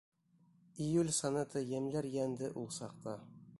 Июль сонеты йәмләр йәнде ул саҡта.